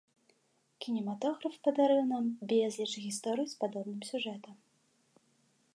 Кінематограф падарыў нам безліч гісторый з падобным сюжэтам.